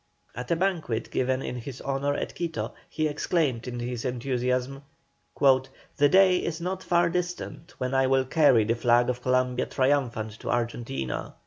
At a banquet given in his honour at Quito he exclaimed in his enthusiasm: "The day is not far distant when I will carry the flag of Columbia triumphant to Argentina."